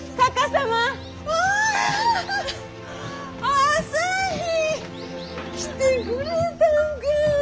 旭来てくれたんか。